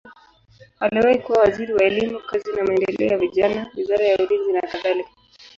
Aliwahi kuwa waziri wa elimu, kazi na maendeleo ya vijana, wizara ya ulinzi nakadhalika.